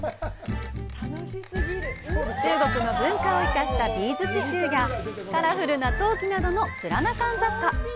中国の文化を生かしたビーズ刺繍やカラフルな陶器などのプラナカン雑貨。